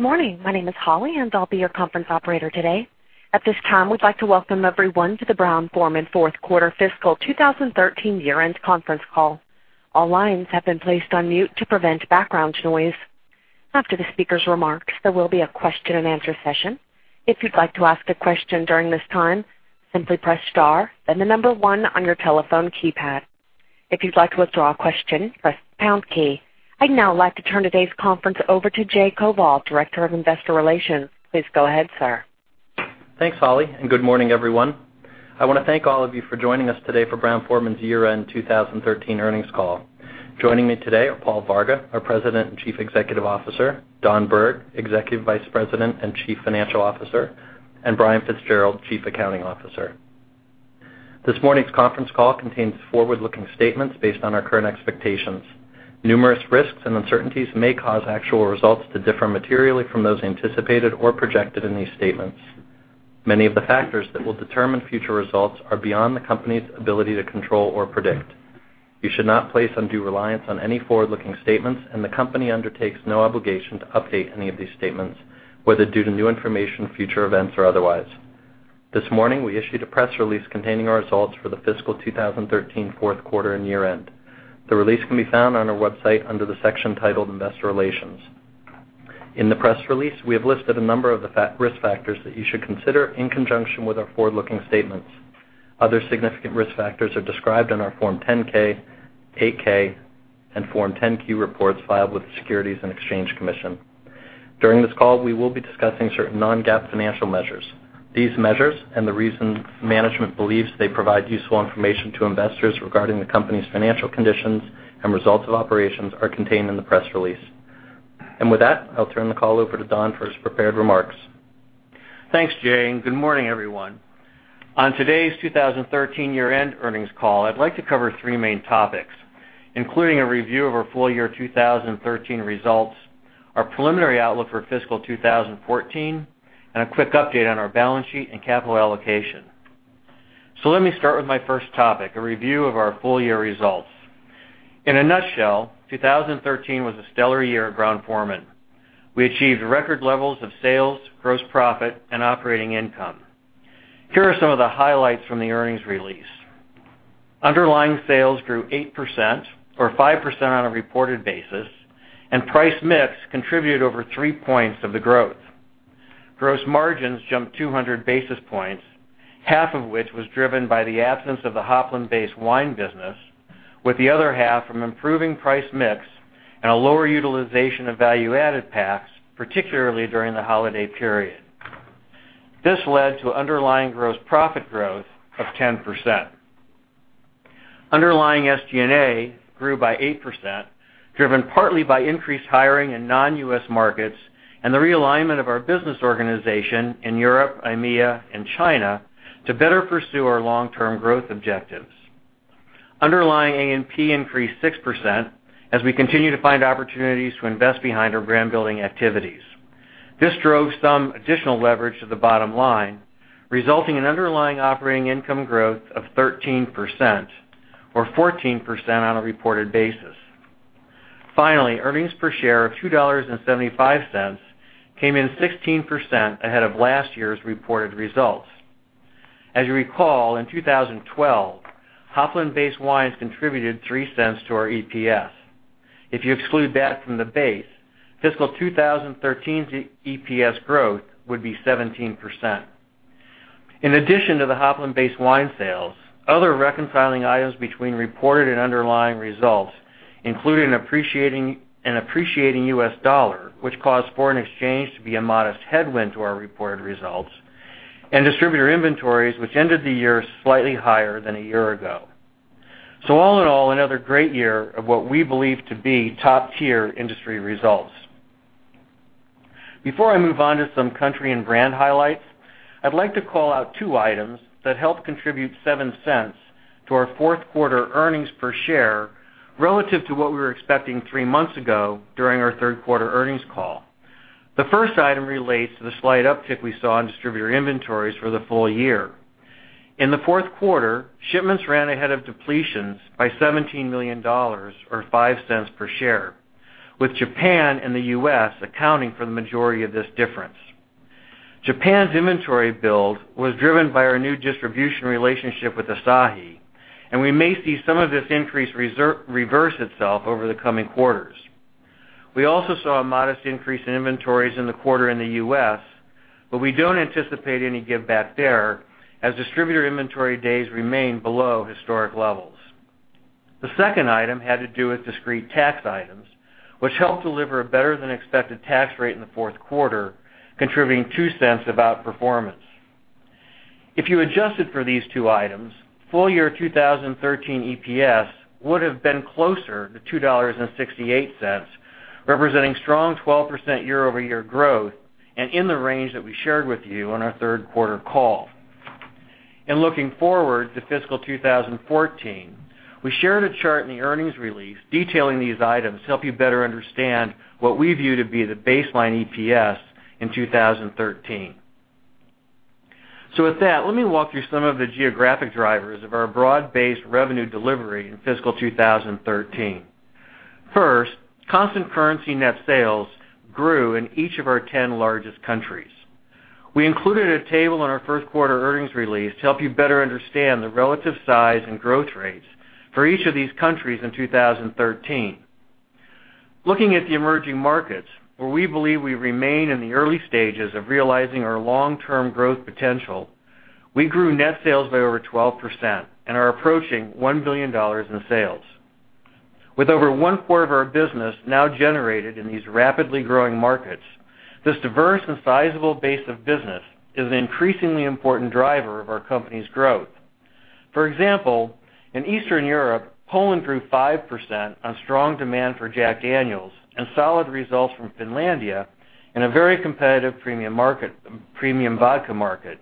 Good morning. My name is Holly, and I'll be your conference operator today. At this time, we'd like to welcome everyone to the Brown-Forman Fourth Quarter fiscal 2013 Year-End Conference Call. All lines have been placed on mute to prevent background noise. After the speaker's remarks, there will be a question and answer session. If you'd like to ask a question during this time, simply press star, then the number 1 on your telephone keypad. If you'd like to withdraw a question, press the pound key. I'd now like to turn today's conference over to Jay Koval, Director of Investor Relations. Please go ahead, sir. Thanks, Holly, good morning, everyone. I want to thank all of you for joining us today for Brown-Forman's year-end 2013 earnings call. Joining me today are Paul Varga, our President and Chief Executive Officer, Don Berg, Executive Vice President and Chief Financial Officer, and Brian Fitzgerald, Chief Accounting Officer. This morning's conference call contains forward-looking statements based on our current expectations. Numerous risks and uncertainties may cause actual results to differ materially from those anticipated or projected in these statements. Many of the factors that will determine future results are beyond the company's ability to control or predict. You should not place undue reliance on any forward-looking statements, the company undertakes no obligation to update any of these statements, whether due to new information, future events, or otherwise. This morning, we issued a press release containing our results for the fiscal 2013 fourth quarter and year-end. The release can be found on our website under the section titled Investor Relations. In the press release, we have listed a number of the risk factors that you should consider in conjunction with our forward-looking statements. Other significant risk factors are described in our Form 10-K, 8-K, and Form 10-Q reports filed with the Securities and Exchange Commission. During this call, we will be discussing certain non-GAAP financial measures. These measures and the reason management believes they provide useful information to investors regarding the company's financial conditions and results of operations are contained in the press release. With that, I'll turn the call over to Don for his prepared remarks. Thanks, Jay, good morning, everyone. On today's 2013 year-end earnings call, I'd like to cover 3 main topics, including a review of our full year 2013 results, our preliminary outlook for fiscal 2014, and a quick update on our balance sheet and capital allocation. Let me start with my first topic, a review of our full-year results. In a nutshell, 2013 was a stellar year at Brown-Forman. We achieved record levels of sales, gross profit, and operating income. Here are some of the highlights from the earnings release. Underlying sales grew 8%, or 5% on a reported basis, price mix contributed over 3 points of the growth. Gross margins jumped 200 basis points, half of which was driven by the absence of the Hopland-based wine business, with the other half from improving price mix and a lower utilization of value-added packs, particularly during the holiday period. This led to underlying gross profit growth of 10%. Underlying SG&A grew by 8%, driven partly by increased hiring in non-U.S. markets and the realignment of our business organization in Europe, EMEA, and China to better pursue our long-term growth objectives. Underlying A&P increased 6% as we continue to find opportunities to invest behind our brand-building activities. This drove some additional leverage to the bottom line, resulting in underlying operating income growth of 13%, or 14% on a reported basis. Finally, earnings per share of $2.75 came in 16% ahead of last year's reported results. As you recall, in 2012, Hopland-based wines contributed $0.03 to our EPS. If you exclude that from the base, fiscal 2013's EPS growth would be 17%. In addition to the Hopland-based wine sales, other reconciling items between reported and underlying results included an appreciating U.S. dollar, which caused foreign exchange to be a modest headwind to our reported results, and distributor inventories, which ended the year slightly higher than a year ago. All in all, another great year of what we believe to be top-tier industry results. Before I move on to some country and brand highlights, I'd like to call out two items that helped contribute $0.07 to our fourth quarter earnings per share relative to what we were expecting three months ago during our third quarter earnings call. The first item relates to the slight uptick we saw in distributor inventories for the full year. In the fourth quarter, shipments ran ahead of depletions by $17 million, or $0.05 per share, with Japan and the U.S. accounting for the majority of this difference. Japan's inventory build was driven by our new distribution relationship with Asahi, and we may see some of this increase reverse itself over the coming quarters. We also saw a modest increase in inventories in the quarter in the U.S., but we don't anticipate any giveback there, as distributor inventory days remain below historic levels. The second item had to do with discrete tax items, which helped deliver a better than expected tax rate in the fourth quarter, contributing $0.02 of outperformance. If you adjusted for these two items, full year 2013 EPS would have been closer to $2.68, representing strong 12% year-over-year growth and in the range that we shared with you on our third quarter call. In looking forward to fiscal 2014, we shared a chart in the earnings release detailing these items to help you better understand what we view to be the baseline EPS in 2013. With that, let me walk through some of the geographic drivers of our broad-based revenue delivery in fiscal 2013. First, constant currency net sales grew in each of our 10 largest countries. We included a table in our first quarter earnings release to help you better understand the relative size and growth rates for each of these countries in 2013. Looking at the emerging markets, where we believe we remain in the early stages of realizing our long-term growth potential, we grew net sales by over 12% and are approaching $1 billion in sales. With over one-fourth of our business now generated in these rapidly growing markets, this diverse and sizable base of business is an increasingly important driver of our company's growth. For example, in Eastern Europe, Poland grew 5% on strong demand for Jack Daniel's and solid results from Finlandia in a very competitive premium vodka market.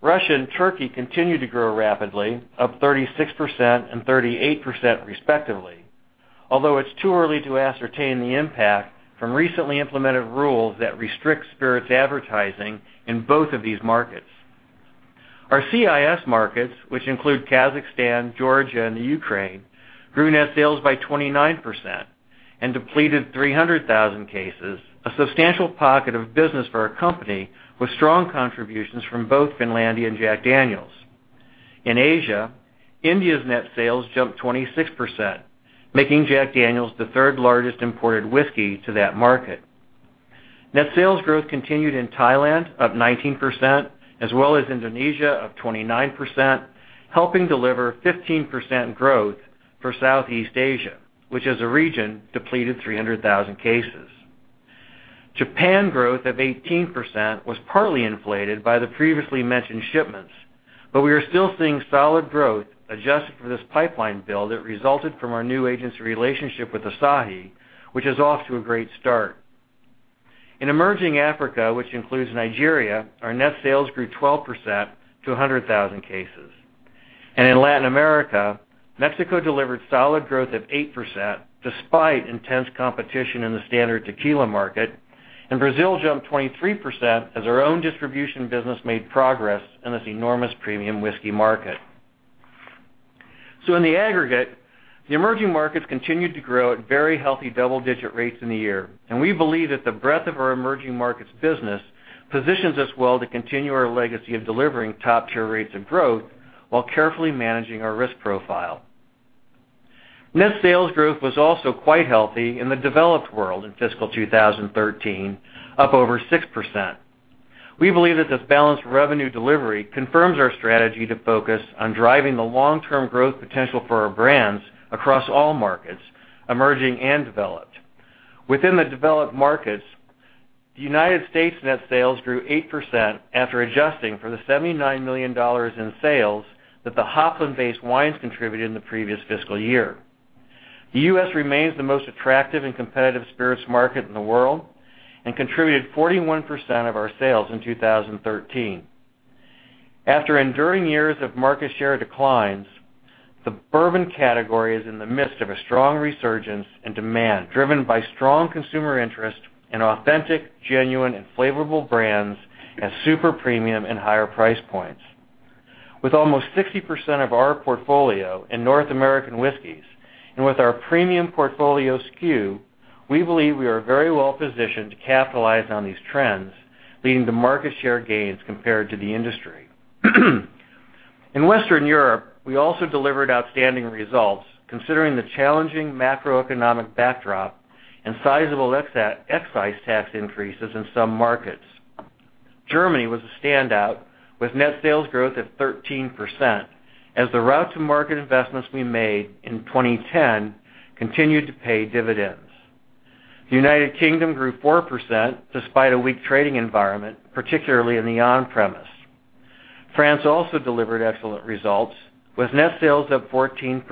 Russia and Turkey continued to grow rapidly, up 36% and 38% respectively, although it's too early to ascertain the impact from recently implemented rules that restrict spirits advertising in both of these markets. Our CIS markets, which include Kazakhstan, Georgia, and the Ukraine, grew net sales by 29% and depleted 300,000 cases, a substantial pocket of business for our company, with strong contributions from both Finlandia and Jack Daniel's. In Asia, India's net sales jumped 26%, making Jack Daniel's the third largest imported whiskey to that market. Net sales growth continued in Thailand, up 19%, as well as Indonesia, up 29%, helping deliver 15% growth for Southeast Asia, which as a region depleted 300,000 cases. Japan growth of 18% was partly inflated by the previously mentioned shipments. But we are still seeing solid growth adjusted for this pipeline build that resulted from our new agency relationship with Asahi, which is off to a great start. In emerging Africa, which includes Nigeria, our net sales grew 12% to 100,000 cases. In Latin America, Mexico delivered solid growth of 8%, despite intense competition in the standard tequila market. Brazil jumped 23% as our own distribution business made progress in this enormous premium whiskey market. In the aggregate, the emerging markets continued to grow at very healthy double-digit rates in the year, and we believe that the breadth of our emerging markets business positions us well to continue our legacy of delivering top-tier rates of growth while carefully managing our risk profile. Net sales growth was also quite healthy in the developed world in fiscal 2013, up over 6%. We believe that this balanced revenue delivery confirms our strategy to focus on driving the long-term growth potential for our brands across all markets, emerging and developed. Within the developed markets, the United States net sales grew 8% after adjusting for the $79 million in sales that the Hopland base wines contributed in the previous fiscal year. The U.S. remains the most attractive and competitive spirits market in the world and contributed 41% of our sales in 2013. After enduring years of market share declines, the bourbon category is in the midst of a strong resurgence in demand, driven by strong consumer interest in authentic, genuine, and flavorful brands at super premium and higher price points. With almost 60% of our portfolio in North American whiskeys, and with our premium portfolio skew, we believe we are very well positioned to capitalize on these trends, leading to market share gains compared to the industry. In Western Europe, we also delivered outstanding results considering the challenging macroeconomic backdrop and sizable excise tax increases in some markets. Germany was a standout with net sales growth of 13% as the route to market investments we made in 2010 continued to pay dividends. The United Kingdom grew 4% despite a weak trading environment, particularly in the on-premise. France also delivered excellent results with net sales up 14%,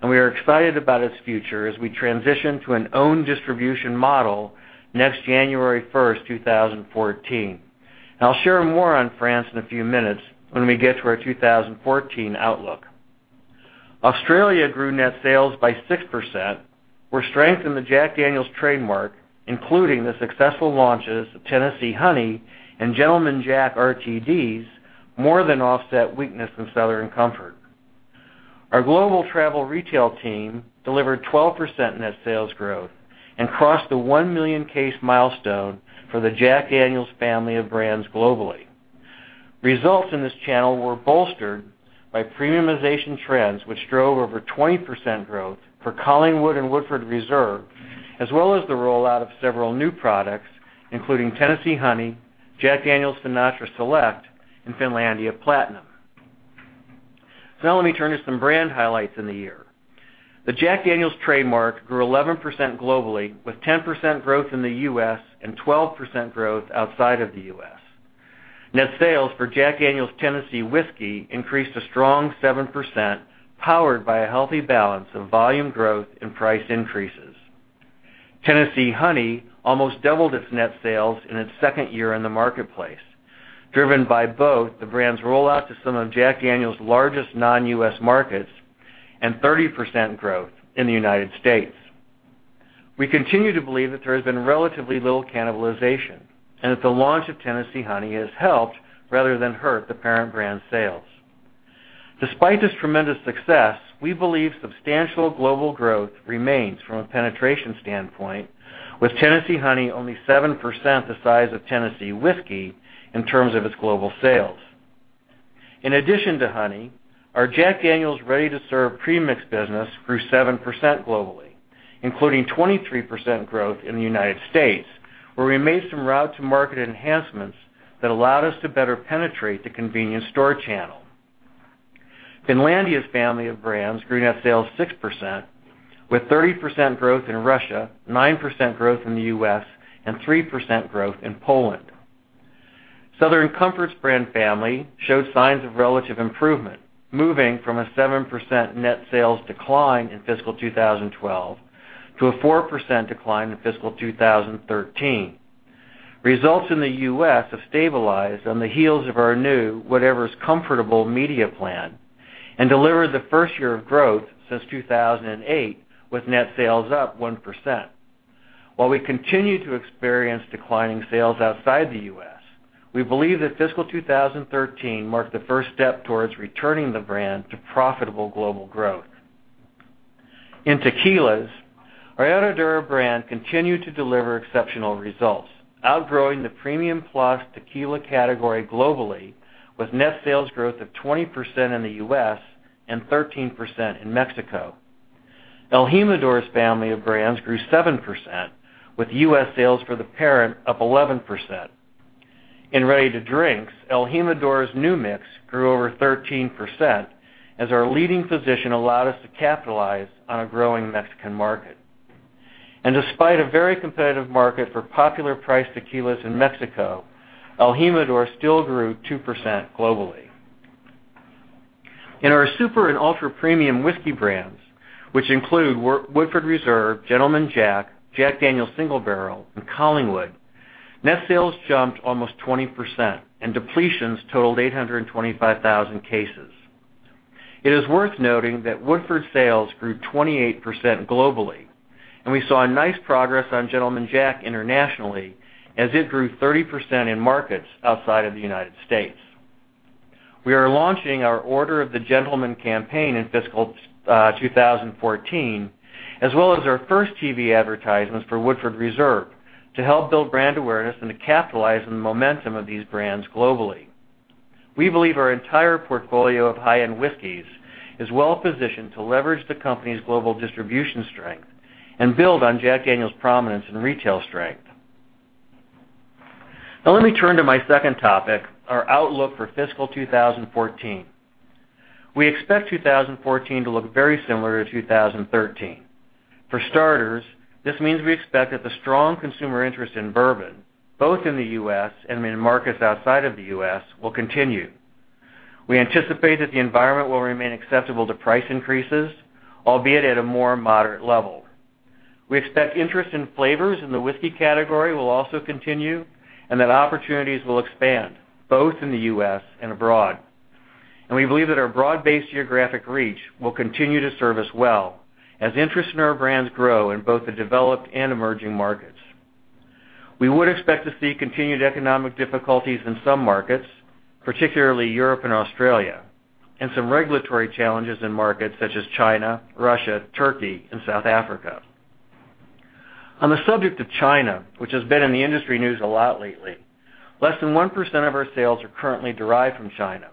and we are excited about its future as we transition to an own distribution model next January 1st, 2014. I'll share more on France in a few minutes when we get to our 2014 outlook. Australia grew net sales by 6% where strength in the Jack Daniel's trademark, including the successful launches of Tennessee Honey and Gentleman Jack RTDs, more than offset weakness in Southern Comfort. Our global travel retail team delivered 12% net sales growth and crossed the 1 million case milestone for the Jack Daniel's family of brands globally. Results in this channel were bolstered by premiumization trends, which drove over 20% growth for Collingwood and Woodford Reserve, as well as the rollout of several new products, including Tennessee Honey, Jack Daniel's Sinatra Select, and Finlandia Platinum. Now let me turn to some brand highlights in the year. The Jack Daniel's trademark grew 11% globally with 10% growth in the U.S. and 12% growth outside of the U.S. Net sales for Jack Daniel's Tennessee Whiskey increased a strong 7%, powered by a healthy balance of volume growth and price increases. Tennessee Honey almost doubled its net sales in its second year in the marketplace, driven by both the brand's rollout to some of Jack Daniel's largest non-U.S. markets and 30% growth in the United States. We continue to believe that there has been relatively little cannibalization, and that the launch of Tennessee Honey has helped rather than hurt the parent brand sales. Despite this tremendous success, we believe substantial global growth remains from a penetration standpoint, with Tennessee Honey only 7% the size of Tennessee Whiskey in terms of its global sales. In addition to Honey, our Jack Daniel's ready-to-serve premixed business grew 7% globally, including 23% growth in the United States, where we made some route-to-market enhancements that allowed us to better penetrate the convenience store channel. Finlandia's family of brands grew net sales 6%, with 30% growth in Russia, 9% growth in the U.S., and 3% growth in Poland. Southern Comfort's brand family showed signs of relative improvement, moving from a 7% net sales decline in fiscal 2012 to a 4% decline in fiscal 2013. Results in the U.S. have stabilized on the heels of our new Whatever's Comfortable media plan and delivered the first year of growth since 2008, with net sales up 1%. While we continue to experience declining sales outside the U.S., we believe that fiscal 2013 marked the first step towards returning the brand to profitable global growth. In tequilas, our Herradura brand continued to deliver exceptional results, outgrowing the premium plus tequila category globally, with net sales growth of 20% in the U.S. and 13% in Mexico. el Jimador's family of brands grew 7%, with U.S. sales for the parent up 11%. In ready-to-drinks, el Jimador's New Mix grew over 13%, as our leading position allowed us to capitalize on a growing Mexican market. Despite a very competitive market for popular priced tequilas in Mexico, el Jimador still grew 2% globally. In our super and ultra-premium whiskey brands, which include Woodford Reserve, Gentleman Jack, Jack Daniel's Single Barrel and Collingwood, net sales jumped almost 20%, and depletions totaled 825,000 cases. It is worth noting that Woodford sales grew 28% globally, and we saw a nice progress on Gentleman Jack internationally, as it grew 30% in markets outside of the United States. We are launching our Order of the Gentleman campaign in fiscal 2014, as well as our first TV advertisements for Woodford Reserve to help build brand awareness and to capitalize on the momentum of these brands globally. We believe our entire portfolio of high-end whiskeys is well positioned to leverage the company's global distribution strength and build on Jack Daniel's prominence and retail strength. Let me turn to my second topic, our outlook for fiscal 2014. We expect 2014 to look very similar to 2013. For starters, this means we expect that the strong consumer interest in bourbon, both in the U.S. and in markets outside of the U.S., will continue. We anticipate that the environment will remain acceptable to price increases, albeit at a more moderate level. We expect interest in flavors in the whiskey category will also continue and that opportunities will expand both in the U.S. and abroad. We believe that our broad-based geographic reach will continue to serve us well as interest in our brands grow in both the developed and emerging markets. We would expect to see continued economic difficulties in some markets, particularly Europe and Australia, and some regulatory challenges in markets such as China, Russia, Turkey, and South Africa. On the subject of China, which has been in the industry news a lot lately, less than 1% of our sales are currently derived from China,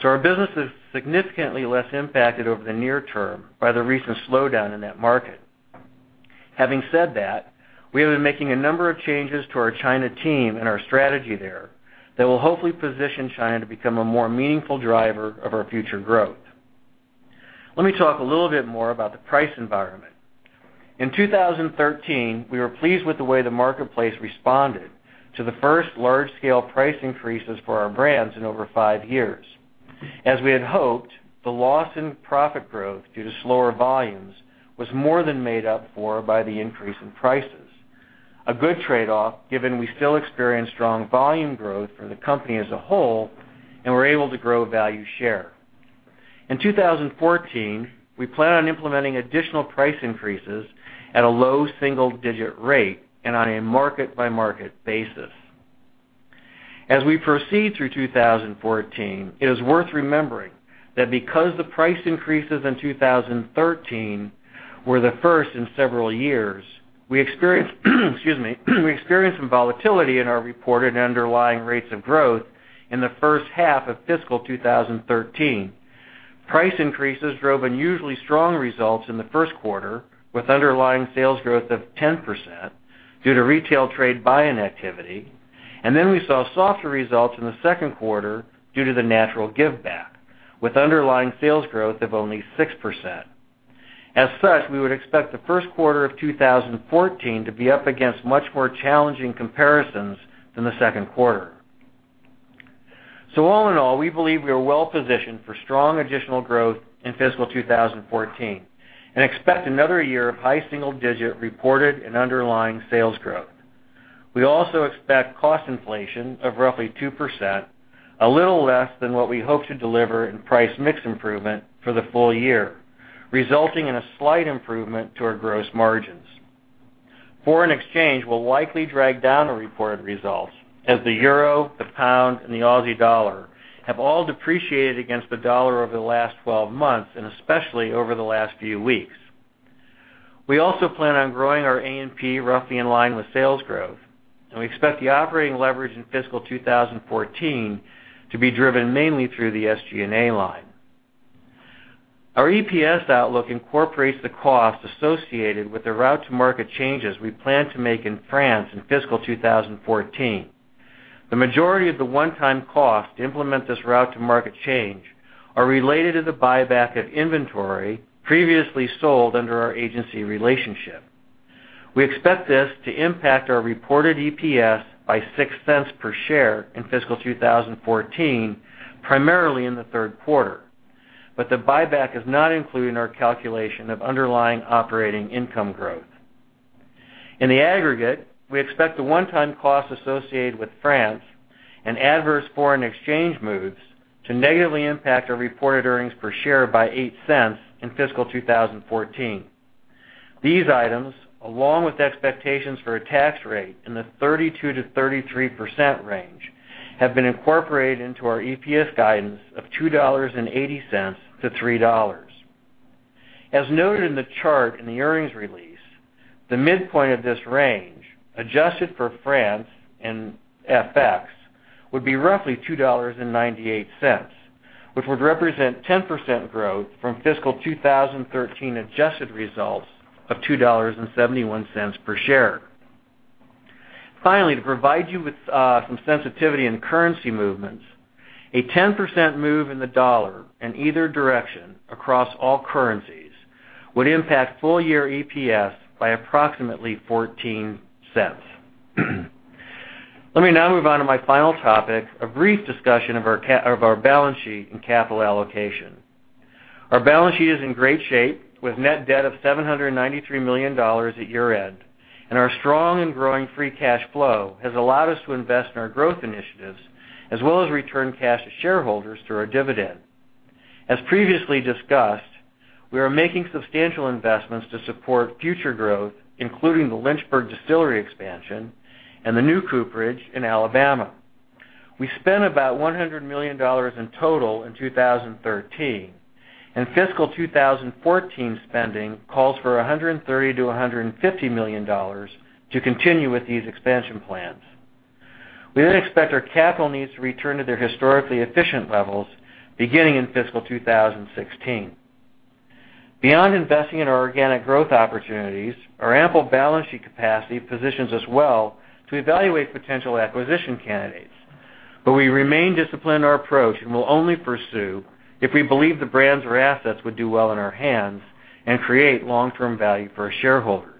so our business is significantly less impacted over the near term by the recent slowdown in that market. Having said that, we have been making a number of changes to our China team and our strategy there that will hopefully position China to become a more meaningful driver of our future growth. Let me talk a little bit more about the price environment. In 2013, we were pleased with the way the marketplace responded to the first large-scale price increases for our brands in over five years. As we had hoped, the loss in profit growth due to slower volumes was more than made up for by the increase in prices. A good trade-off, given we still experienced strong volume growth for the company as a whole and were able to grow value share. In 2014, we plan on implementing additional price increases at a low single-digit rate and on a market-by-market basis. As we proceed through 2014, it is worth remembering that because the price increases in 2013 were the first in several years, we experienced some volatility in our reported underlying rates of growth in the first half of fiscal 2013. Price increases drove unusually strong results in the first quarter, with underlying sales growth of 10% due to retail trade buy-in activity. Then we saw softer results in the second quarter due to the natural giveback, with underlying sales growth of only 6%. As such, we would expect the first quarter of 2014 to be up against much more challenging comparisons than the second quarter. All in all, we believe we are well positioned for strong additional growth in fiscal 2014 and expect another year of high single-digit reported and underlying sales growth. We also expect cost inflation of roughly 2%, a little less than what we hope to deliver in price mix improvement for the full year, resulting in a slight improvement to our gross margins. Foreign exchange will likely drag down our reported results, as the EUR, the GBP, and the AUD have all depreciated against the U.S. dollar over the last 12 months and especially over the last few weeks. We also plan on growing our A&P roughly in line with sales growth, and we expect the operating leverage in fiscal 2014 to be driven mainly through the SG&A line. Our EPS outlook incorporates the costs associated with the route-to-market changes we plan to make in France in fiscal 2014. The majority of the one-time cost to implement this route-to-market change are related to the buyback of inventory previously sold under our agency relationship. We expect this to impact our reported EPS by $0.06 per share in fiscal 2014, primarily in the third quarter. But the buyback is not included in our calculation of underlying operating income growth. In the aggregate, we expect the one-time costs associated with France and adverse foreign exchange moves to negatively impact our reported earnings per share by $0.08 in fiscal 2014. These items, along with expectations for a tax rate in the 32%-33% range, have been incorporated into our EPS guidance of $2.80-$3. As noted in the chart in the earnings release, the midpoint of this range, adjusted for France and FX, would be roughly $2.98, which would represent 10% growth from fiscal 2013 adjusted results of $2.71 per share. Finally, to provide you with some sensitivity in currency movements, a 10% move in the U.S. dollar in either direction across all currencies would impact full-year EPS by approximately $0.14. Let me now move on to my final topic, a brief discussion of our balance sheet and capital allocation. Our balance sheet is in great shape, with net debt of $793 million at year-end, and our strong and growing free cash flow has allowed us to invest in our growth initiatives, as well as return cash to shareholders through our dividend. As previously discussed, we are making substantial investments to support future growth, including the Lynchburg Distillery expansion and the new cooperage in Alabama. We spent about $100 million in total in 2013, and fiscal 2014 spending calls for $130 million-$150 million to continue with these expansion plans. We then expect our capital needs to return to their historically efficient levels beginning in fiscal 2016. Beyond investing in our organic growth opportunities, our ample balance sheet capacity positions us well to evaluate potential acquisition candidates. But we remain disciplined in our approach and will only pursue if we believe the brands or assets would do well in our hands and create long-term value for our shareholders.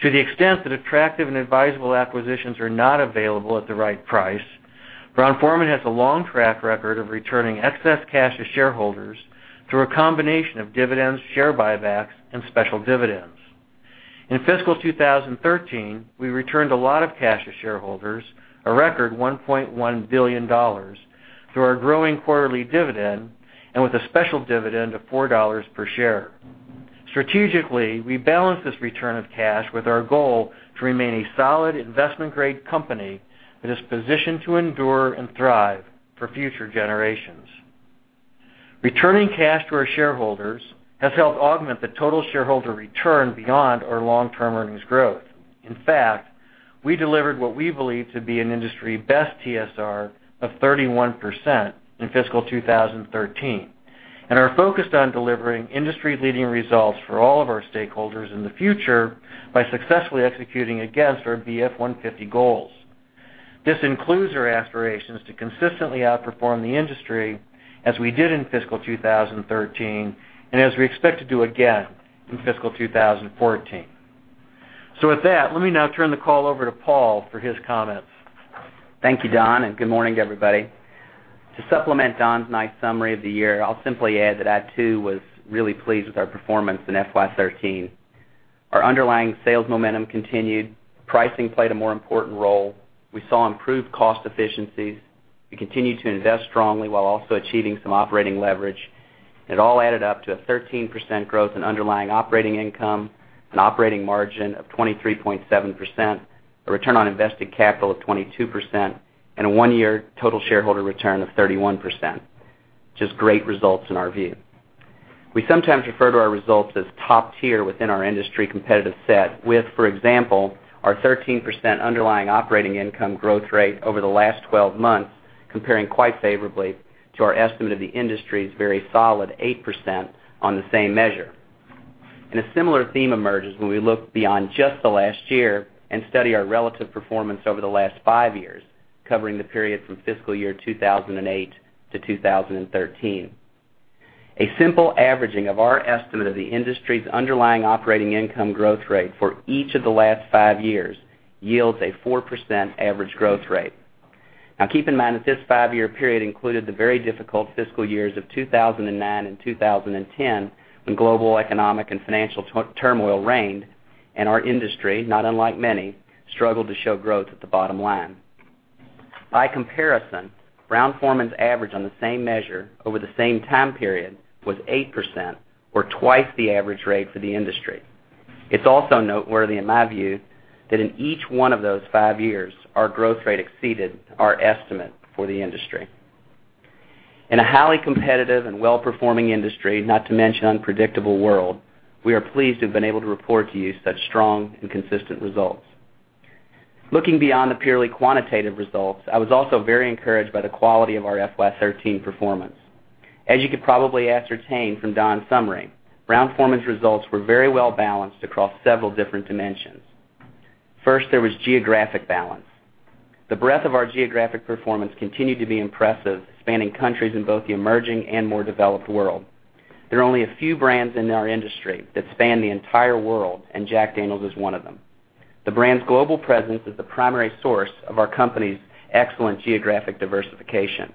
To the extent that attractive and advisable acquisitions are not available at the right price, Brown-Forman has a long track record of returning excess cash to shareholders through a combination of dividends, share buybacks, and special dividends. In fiscal 2013, we returned a lot of cash to shareholders, a record $1.1 billion, through our growing quarterly dividend and with a special dividend of $4 per share. Strategically, we balance this return of cash with our goal to remain a solid investment-grade company that is positioned to endure and thrive for future generations. Returning cash to our shareholders has helped augment the total shareholder return beyond our long-term earnings growth. In fact, we delivered what we believe to be an industry-best TSR of 31% in fiscal 2013 and are focused on delivering industry-leading results for all of our stakeholders in the future by successfully executing against our BF 150 goals. This includes our aspirations to consistently outperform the industry as we did in fiscal 2013 and as we expect to do again in fiscal 2014. With that, let me now turn the call over to Paul for his comments. Thank you, Don, and good morning, everybody. To supplement Don's nice summary of the year, I'll simply add that I too was really pleased with our performance in fiscal 2013. Our underlying sales momentum continued. Pricing played a more important role. We saw improved cost efficiencies. We continued to invest strongly while also achieving some operating leverage. It all added up to a 13% growth in underlying operating income, an operating margin of 23.7%, a return on invested capital of 22%, and a one-year total shareholder return of 31%, which is great results in our view. We sometimes refer to our results as top tier within our industry competitive set with, for example, our 13% underlying operating income growth rate over the last 12 months comparing quite favorably to our estimate of the industry's very solid 8% on the same measure. A similar theme emerges when we look beyond just the last year and study our relative performance over the last five years, covering the period from fiscal year 2008 to 2013. A simple averaging of our estimate of the industry's underlying operating income growth rate for each of the last five years yields a 4% average growth rate. Keep in mind that this five-year period included the very difficult fiscal years of 2009 and 2010, when global economic and financial turmoil reigned, and our industry, not unlike many, struggled to show growth at the bottom line. By comparison, Brown-Forman's average on the same measure over the same time period was 8%, or twice the average rate for the industry. It's also noteworthy in my view, that in each one of those five years, our growth rate exceeded our estimate for the industry. In a highly competitive and well-performing industry, not to mention unpredictable world, we are pleased to have been able to report to you such strong and consistent results. Looking beyond the purely quantitative results, I was also very encouraged by the quality of our fiscal 2013 performance. As you could probably ascertain from Don's summary, Brown-Forman's results were very well-balanced across several different dimensions. First, there was geographic balance. The breadth of our geographic performance continued to be impressive, spanning countries in both the emerging and more developed world. There are only a few brands in our industry that span the entire world, and Jack Daniel's is one of them. The brand's global presence is the primary source of our company's excellent geographic diversification.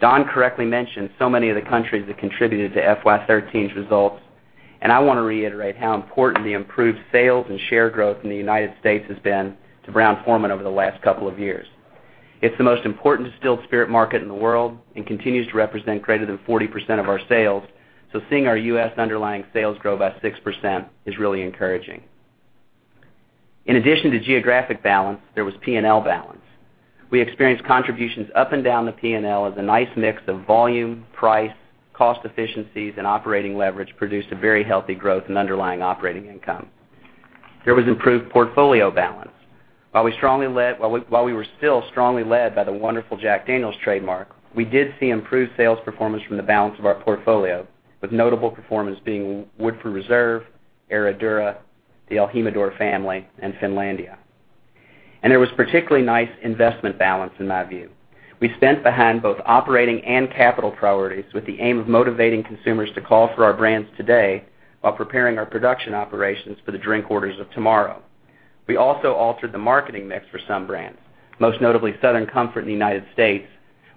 Don correctly mentioned so many of the countries that contributed to FY 2013's results. I want to reiterate how important the improved sales and share growth in the U.S. has been to Brown-Forman over the last couple of years. It's the most important distilled spirit market in the world and continues to represent greater than 40% of our sales. Seeing our U.S. underlying sales grow by 6% is really encouraging. In addition to geographic balance, there was P&L balance. We experienced contributions up and down the P&L as a nice mix of volume, price, cost efficiencies, and operating leverage produced a very healthy growth in underlying operating income. There was improved portfolio balance. While we were still strongly led by the wonderful Jack Daniel's trademark, we did see improved sales performance from the balance of our portfolio, with notable performance being Woodford Reserve, Herradura, the el Jimador family, and Finlandia. There was particularly nice investment balance in my view. We spent behind both operating and capital priorities with the aim of motivating consumers to call for our brands today while preparing our production operations for the drink orders of tomorrow. We also altered the marketing mix for some brands, most notably Southern Comfort in the U.S.,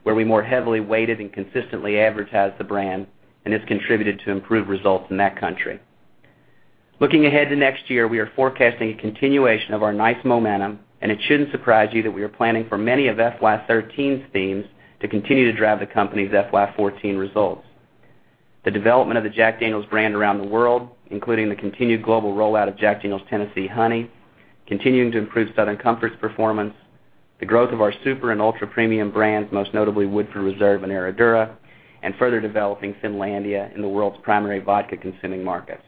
where we more heavily weighted and consistently advertised the brand. It's contributed to improved results in that country. Looking ahead to next year, we are forecasting a continuation of our nice momentum. It shouldn't surprise you that we are planning for many of FY 2013's themes to continue to drive the company's FY 2014 results. The development of the Jack Daniel's brand around the world, including the continued global rollout of Jack Daniel's Tennessee Honey, continuing to improve Southern Comfort's performance, the growth of our super and ultra-premium brands, most notably Woodford Reserve and Herradura. Further developing Finlandia in the world's primary vodka-consuming markets.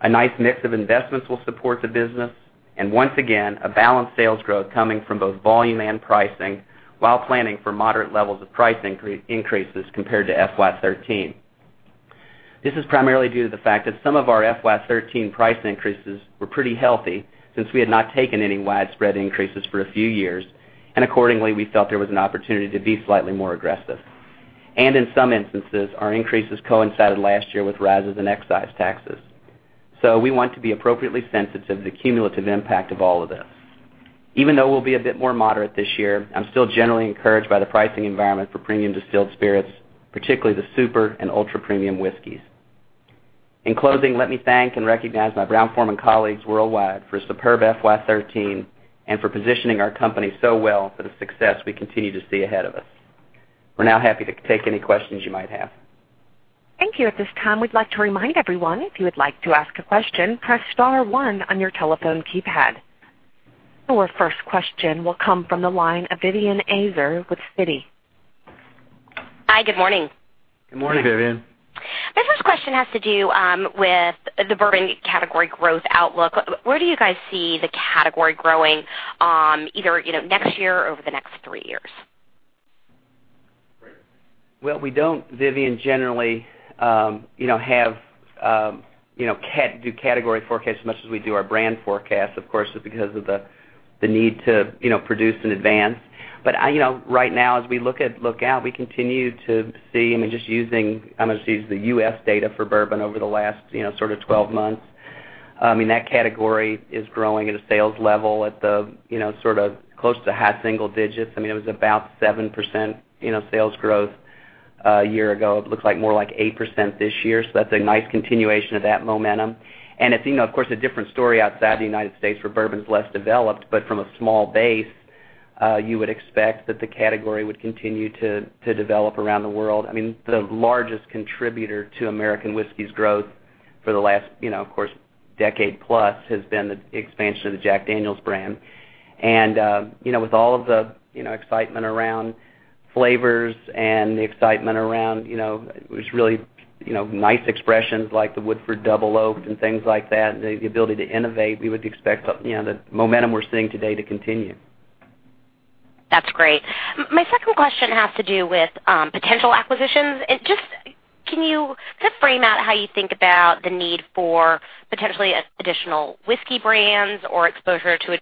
A nice mix of investments will support the business. Once again, a balanced sales growth coming from both volume and pricing while planning for moderate levels of price increases compared to FY 2013. This is primarily due to the fact that some of our FY 2013 price increases were pretty healthy since we had not taken any widespread increases for a few years. Accordingly, we felt there was an opportunity to be slightly more aggressive. In some instances, our increases coincided last year with rises in excise taxes. We want to be appropriately sensitive to the cumulative impact of all of this. Even though we'll be a bit more moderate this year, I'm still generally encouraged by the pricing environment for premium distilled spirits, particularly the super and ultra-premium whiskeys. In closing, let me thank and recognize my Brown-Forman colleagues worldwide for a superb FY 2013 and for positioning our company so well for the success we continue to see ahead of us. We're now happy to take any questions you might have. Thank you. At this time, we'd like to remind everyone, if you would like to ask a question, press star one on your telephone keypad. Our first question will come from the line of Vivien Azer with Citi. Hi, good morning. Good morning. Good morning. My first question has to do with the bourbon category growth outlook. Where do you guys see the category growing, either next year or over the next three years? Well, we don't, Vivien, generally do category forecasts as much as we do our brand forecast, of course, just because of the need to produce in advance. Right now, as we look out, we continue to see, I'm going to just use the U.S. data for bourbon over the last sort of 12 months. That category is growing at a sales level at the close to half single digits. It was about 7% sales growth a year ago. It looks more like 8% this year. That's a nice continuation of that momentum. It's, of course, a different story outside the United States where bourbon is less developed, but from a small base, you would expect that the category would continue to develop around the world. The largest contributor to American whiskey's growth for the last, of course, decade plus has been the expansion of the Jack Daniel's brand. With all of the excitement around flavors and the excitement around, which is really nice expressions like the Woodford Double Oaked and things like that, and the ability to innovate, we would expect the momentum we're seeing today to continue. That's great. My second question has to do with potential acquisitions. Can you just frame out how you think about the need for potentially additional whiskey brands or exposure to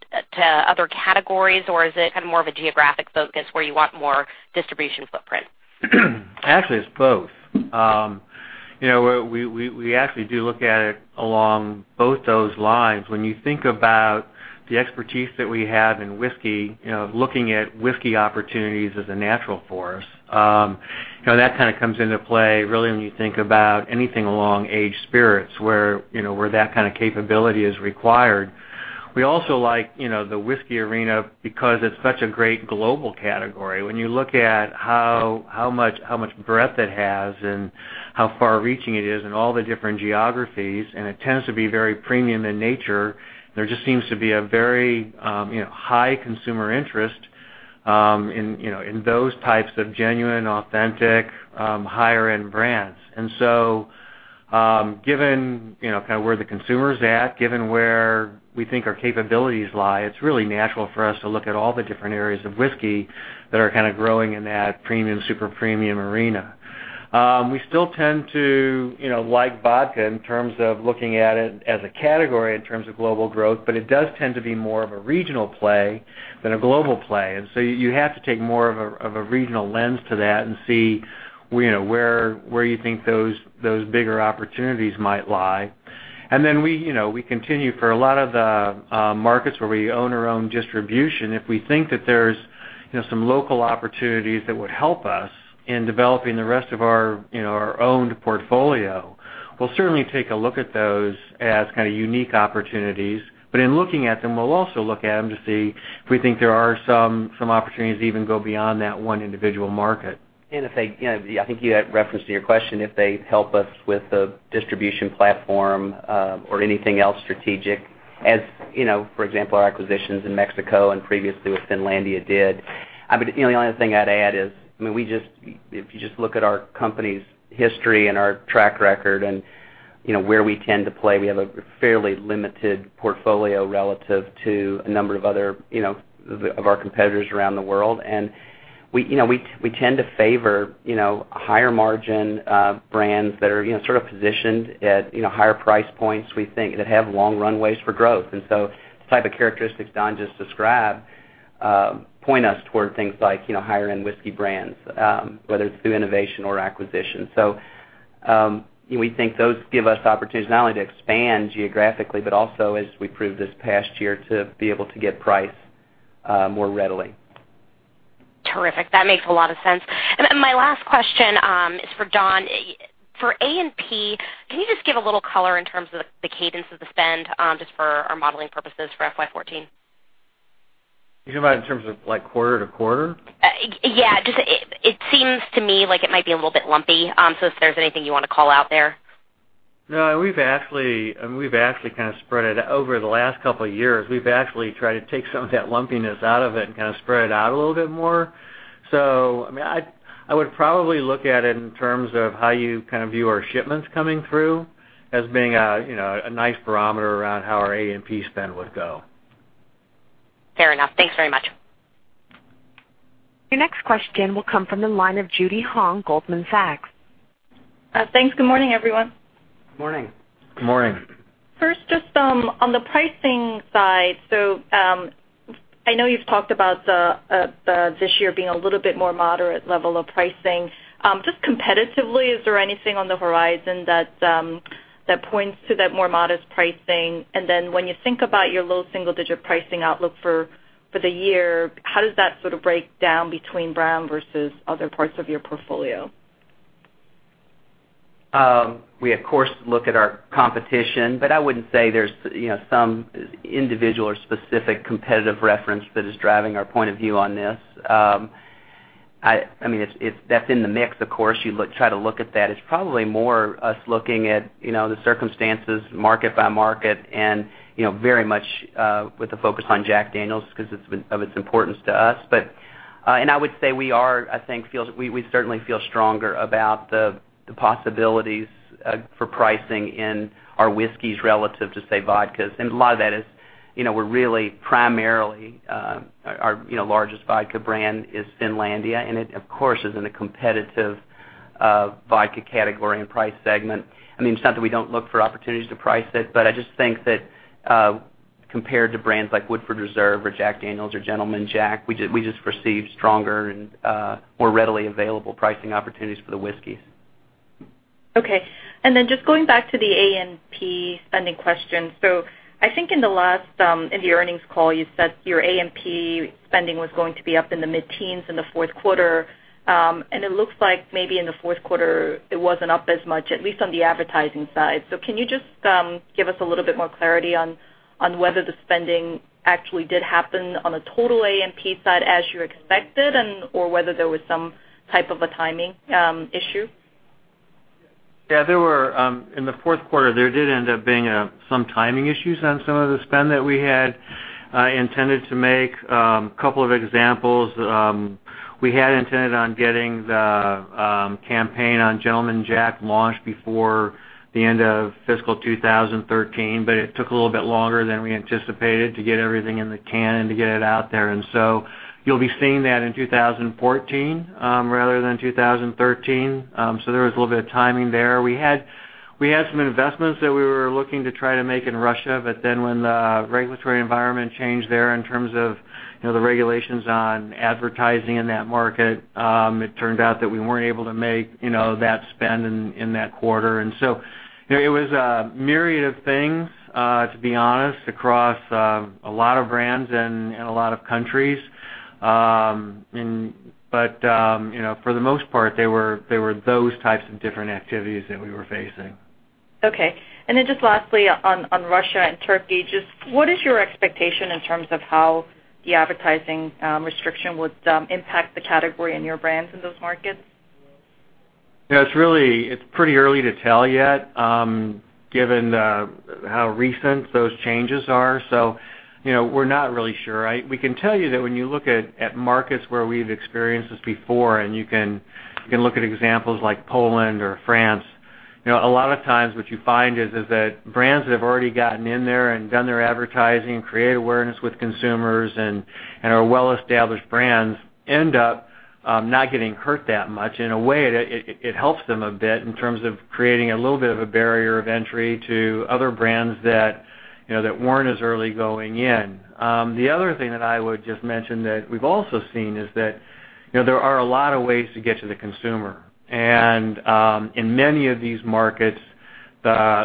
other categories, or is it kind of more of a geographic focus where you want more distribution footprint? Actually, it's both. We actually do look at it along both those lines. When you think about the expertise that we have in whiskey, looking at whiskey opportunities is a natural force. That comes into play really when you think about anything along aged spirits, where that kind of capability is required. We also like the whiskey arena because it's such a great global category. When you look at how much breadth it has and how far-reaching it is in all the different geographies, it tends to be very premium in nature, there just seems to be a very high consumer interest in those types of genuine, authentic, higher-end brands. Given where the consumer's at, given where we think our capabilities lie, it's really natural for us to look at all the different areas of whiskey that are growing in that premium, super premium arena. We still tend to like vodka in terms of looking at it as a category in terms of global growth, but it does tend to be more of a regional play than a global play. You have to take more of a regional lens to that and see where you think those bigger opportunities might lie. We continue for a lot of the markets where we own our own distribution, if we think that there's some local opportunities that would help us in developing the rest of our owned portfolio, we'll certainly take a look at those as unique opportunities. In looking at them, we'll also look at them to see if we think there are some opportunities to even go beyond that one individual market. If they, I think you had referenced in your question, if they help us with the distribution platform or anything else strategic, as for example, our acquisitions in Mexico and previously with Finlandia did. The only thing I'd add is, if you just look at our company's history and our track record and where we tend to play, we have a fairly limited portfolio relative to a number of our competitors around the world. We tend to favor higher margin brands that are positioned at higher price points, we think, that have long runways for growth. The type of characteristics Don just described point us toward things like higher-end whiskey brands, whether it's through innovation or acquisition. We think those give us opportunities not only to expand geographically, but also, as we proved this past year, to be able to get price more readily. Terrific. That makes a lot of sense. My last question is for Don. For A&P, can you just give a little color in terms of the cadence of the spend, just for our modeling purposes for FY 2014? You talking about in terms of quarter to quarter? Yeah. It seems to me like it might be a little bit lumpy, if there's anything you want to call out there. No, we've actually spread it over the last couple of years. We've actually tried to take some of that lumpiness out of it and spread it out a little bit more. I would probably look at it in terms of how you view our shipments coming through as being a nice barometer around how our A&P spend would go. Fair enough. Thanks very much. Your next question will come from the line of Judy Hong, Goldman Sachs. Thanks. Good morning, everyone. Morning. Good morning. First, just on the pricing side. I know you've talked about this year being a little bit more moderate level of pricing. Just competitively, is there anything on the horizon that points to that more modest pricing? When you think about your low single-digit pricing outlook for the year, how does that break down between Brown-Forman versus other parts of your portfolio? We, of course, look at our competition. I wouldn't say there's some individual or specific competitive reference that is driving our point of view on this. That's in the mix, of course. You try to look at that. It's probably more us looking at the circumstances market by market and very much with the focus on Jack Daniel's because of its importance to us. I would say we certainly feel stronger about the possibilities for pricing in our whiskeys relative to, say, vodkas. A lot of that is, we're really primarily, our largest vodka brand is Finlandia, and it, of course, is in a competitive vodka category and price segment. It's not that we don't look for opportunities to price it. I just think that compared to brands like Woodford Reserve or Jack Daniel's or Gentleman Jack, we just perceive stronger and more readily available pricing opportunities for the whiskeys. Okay. Just going back to the A&P spending question. I think in the last, in the earnings call, you said your A&P spending was going to be up in the mid-teens in the fourth quarter. It looks like maybe in the fourth quarter it wasn't up as much, at least on the advertising side. Can you just give us a little bit more clarity on whether the spending actually did happen on a total A&P side as you expected, or whether there was some type of a timing issue? In the fourth quarter, there did end up being some timing issues on some of the spend that we had intended to make. A couple of examples. We had intended on getting the campaign on Gentleman Jack launched before the end of fiscal 2013, but it took a little bit longer than we anticipated to get everything in the can and to get it out there. You'll be seeing that in 2014, rather than 2013. There was a little bit of timing there. We had some investments that we were looking to try to make in Russia, when the regulatory environment changed there in terms of the regulations on advertising in that market, it turned out that we weren't able to make that spend in that quarter. It was a myriad of things, to be honest, across a lot of brands and a lot of countries. For the most part, they were those types of different activities that we were facing. Then lastly, on Russia and Turkey, what is your expectation in terms of how the advertising restriction would impact the category and your brands in those markets? It's pretty early to tell yet, given how recent those changes are. We're not really sure. We can tell you that when you look at markets where we've experienced this before, you can look at examples like Poland or France, a lot of times what you find is that brands that have already gotten in there and done their advertising, created awareness with consumers, and are well-established brands end up not getting hurt that much. In a way, it helps them a bit in terms of creating a little bit of a barrier of entry to other brands that weren't as early going in. The other thing that I would just mention that we've also seen is that there are a lot of ways to get to the consumer. In many of these markets,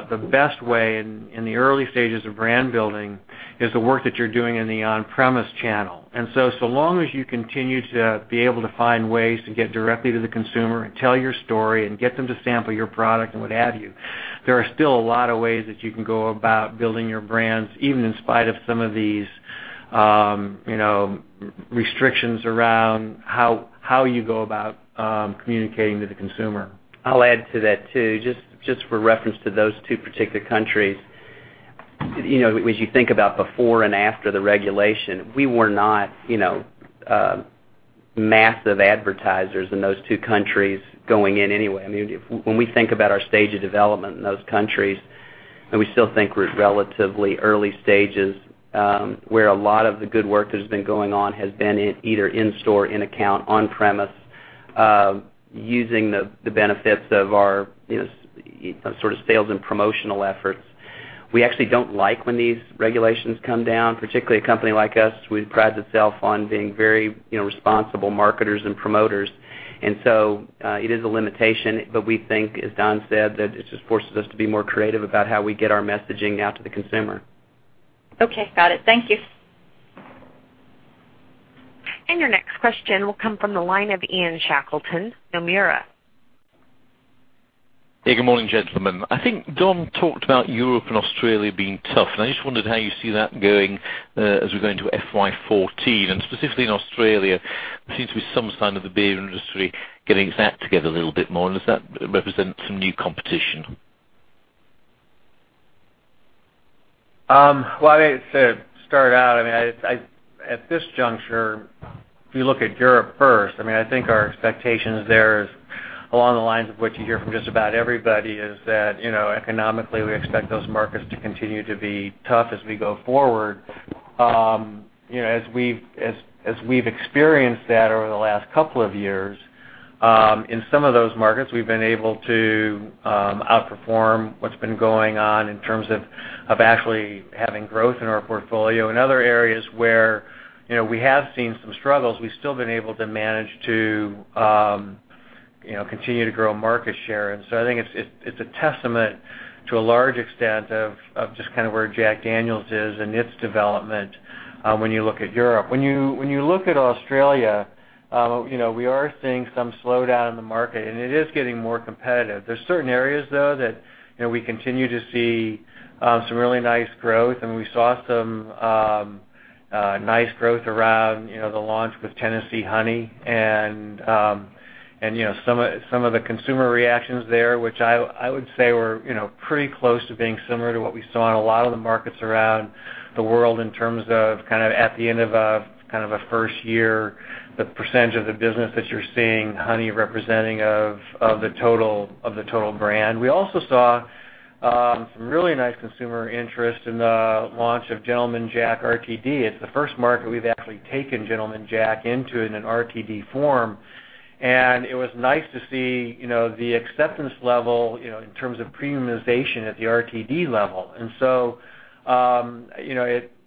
the best way in the early stages of brand building is the work that you're doing in the on-premise channel. So long as you continue to be able to find ways to get directly to the consumer and tell your story and get them to sample your product and what have you, there are still a lot of ways that you can go about building your brands, even in spite of some of these restrictions around how you go about communicating to the consumer. I'll add to that, too. Just for reference to those two particular countries. As you think about before and after the regulation, we were not massive advertisers in those two countries going in anyway. When we think about our stage of development in those countries, and we still think we're at relatively early stages, where a lot of the good work that has been going on has been either in-store, in-account, on-premise, using the benefits of our sales and promotional efforts. We actually don't like when these regulations come down, particularly a company like us, who prides itself on being very responsible marketers and promoters. It is a limitation, but we think, as Don said, that it just forces us to be more creative about how we get our messaging out to the consumer. Okay. Got it. Thank you. Your next question will come from the line of Ian Shackleton, Nomura. Good morning, gentlemen. I think Don talked about Europe and Australia being tough. I just wondered how you see that going as we go into FY 2014, and specifically in Australia, there seems to be some sign of the beer industry getting its act together a little bit more. Does that represent some new competition? Well, I'd say to start out, at this juncture, if you look at Europe first, I think our expectations there is along the lines of what you hear from just about everybody, is that economically, we expect those markets to continue to be tough as we go forward. As we've experienced that over the last two years, in some of those markets, we've been able to outperform what's been going on in terms of actually having growth in our portfolio. In other areas where we have seen some struggles, we've still been able to manage to continue to grow market share. I think it's a testament to a large extent of just where Jack Daniel's is in its development when you look at Europe. When you look at Australia, we are seeing some slowdown in the market, and it is getting more competitive. There's certain areas, though, that we continue to see some really nice growth, and we saw some nice growth around the launch with Tennessee Honey and some of the consumer reactions there, which I would say were pretty close to being similar to what we saw in a lot of the markets around the world in terms of at the end of a first year, the percentage of the business that you're seeing Honey representing of the total brand. We also saw some really nice consumer interest in the launch of Gentleman Jack RTD. It's the first market we've actually taken Gentleman Jack into in an RTD form, and it was nice to see the acceptance level in terms of premiumization at the RTD level.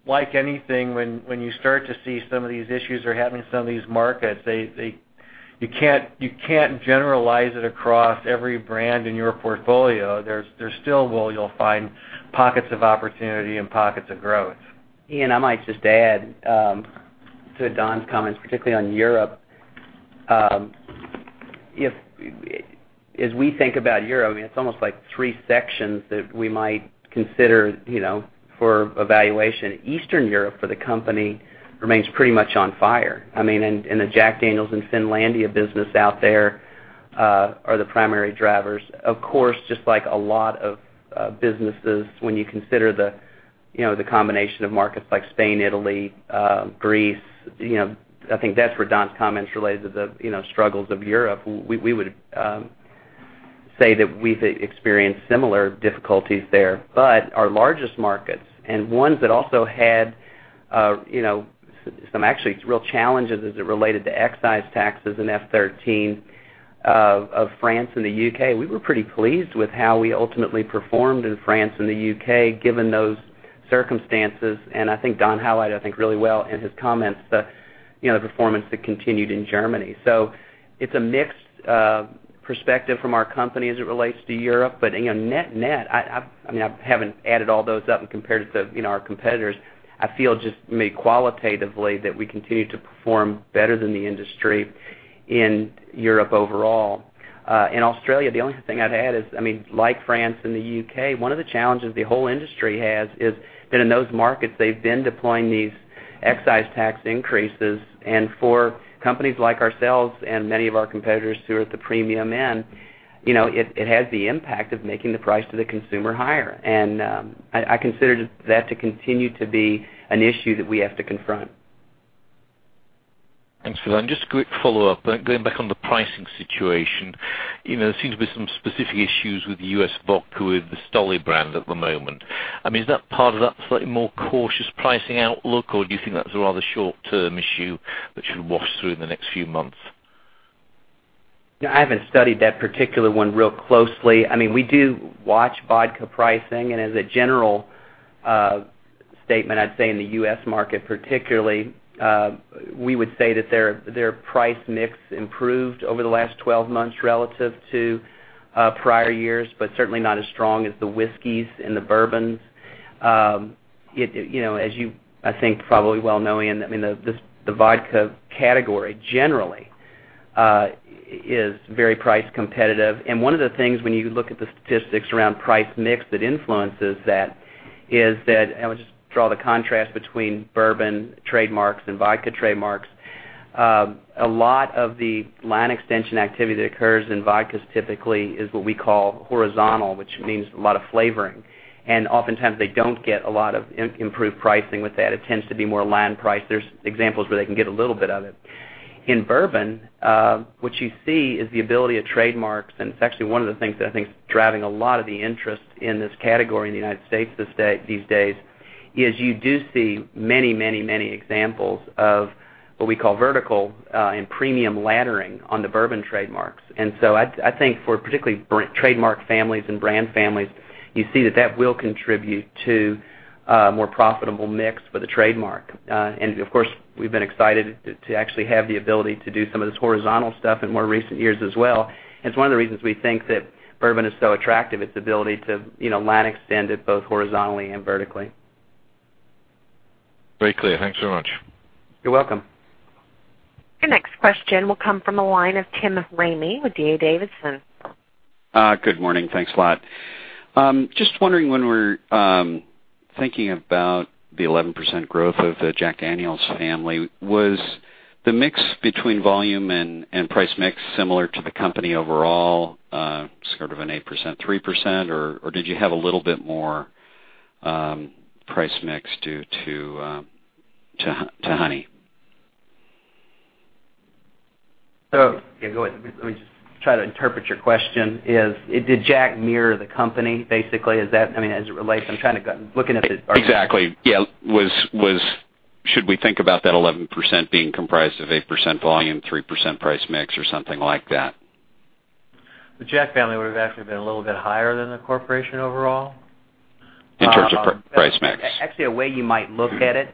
Like anything, when you start to see some of these issues are happening in some of these markets, you can't generalize it across every brand in your portfolio. You'll still find pockets of opportunity and pockets of growth. Ian, I might just add to Don's comments, particularly on Europe. As we think about Europe, it's almost like three sections that we might consider for evaluation. Eastern Europe for the company remains pretty much on fire. The Jack Daniel's and Finlandia business out there are the primary drivers. Of course, just like a lot of businesses, when you consider the combination of markets like Spain, Italy, Greece, I think that's where Don's comments related to the struggles of Europe. We would say that we've experienced similar difficulties there. Our largest markets, and ones that also had actually real challenges as it related to excise taxes and F13 of France and the U.K. We were pretty pleased with how we ultimately performed in France and the U.K., given those circumstances. I think Don highlighted, I think really well in his comments, the performance that continued in Germany. It's a mixed perspective from our company as it relates to Europe. Net-net, I haven't added all those up and compared it to our competitors. I feel just maybe qualitatively that we continue to perform better than the industry in Europe overall. In Australia, the only thing I'd add is, like France and the U.K., one of the challenges the whole industry has is that in those markets, they've been deploying these excise tax increases. For companies like ourselves and many of our competitors who are at the premium end, it has the impact of making the price to the consumer higher. I consider that to continue to be an issue that we have to confront. Thanks for that. Just a quick follow-up, going back on the pricing situation, there seems to be some specific issues with U.S. vodka, with the Stoli brand at the moment. Is that part of that slightly more cautious pricing outlook, or do you think that's a rather short-term issue that should wash through in the next few months? I haven't studied that particular one real closely. We do watch vodka pricing, as a general statement, I'd say in the U.S. market particularly, we would say that their price mix improved over the last 12 months relative to prior years, but certainly not as strong as the whiskeys and the bourbons. As you, I think, probably well know, Ian, the vodka category generally is very price competitive. One of the things when you look at the statistics around price mix that influences that, is that, we'll just draw the contrast between bourbon trademarks and vodka trademarks. A lot of the line extension activity that occurs in vodkas typically is what we call horizontal, which means a lot of flavoring, oftentimes they don't get a lot of improved pricing with that. It tends to be more line price. There's examples where they can get a little bit of it. In bourbon, what you see is the ability of trademarks, it's actually one of the things that I think is driving a lot of the interest in this category in the U.S. these days, is you do see many examples of what we call vertical, and premium laddering on the bourbon trademarks. I think for particularly trademark families and brand families, you see that that will contribute to a more profitable mix for the trademark. Of course, we've been excited to actually have the ability to do some of this horizontal stuff in more recent years as well. It's one of the reasons we think that bourbon is so attractive, its ability to line extend it both horizontally and vertically. Very clear. Thanks so much. You're welcome. Your next question will come from the line of Tim Ramey with D.A. Davidson. Good morning. Thanks a lot. Just wondering when we're thinking about the 11% growth of the Jack Daniel's family, was the mix between volume and price mix similar to the company overall, sort of an 8%, 3%, or did you have a little bit more price mix due to honey? Yeah, go ahead. Let me just try to interpret your question is, did Jack mirror the company, basically? Exactly. Yeah. Should we think about that 11% being comprised of 8% volume, 3% price mix, or something like that? The Jack family would have actually been a little bit higher than the Corporation overall. In terms of price mix? Actually, a way you might look at it,